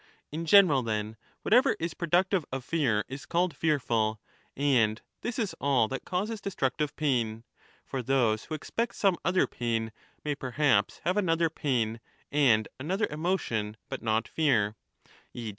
In general, then, whatever is productive of fear is called fearful, and this is all that causes 35 destructive pain. For those who expect some other pain may perhaps have another pain and another emotion but not fear, e.